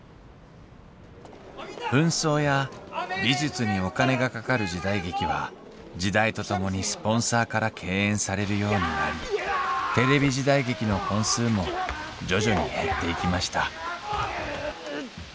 扮装や美術にお金がかかる時代劇は時代とともにスポンサーから敬遠されるようになりテレビ時代劇の本数も徐々に減っていきましたうっくっ。